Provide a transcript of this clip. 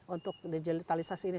untuk digitalisasi ini